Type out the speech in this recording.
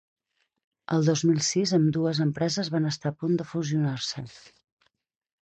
El dos mil sis ambdues empreses van estar a punt de fusionar-se.